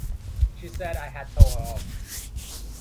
She said I had told her off.